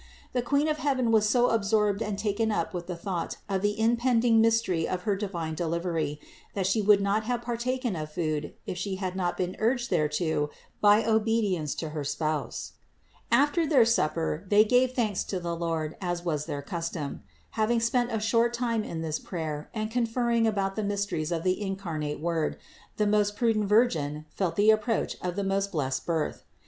The Queen of heaven was so absorbed and taken up with the thought of the impending mystery of her divine delivery, that She would not have partaken of food if She had not been urged thereto by obedience to her spouse. 472. After their supper they gave thanks to the Lord as was their custom. Having spent a short time in this prayer and conferring about the mysteries of the incar nate Word, the most prudent Virgin felt the approach of the most blessed Birth.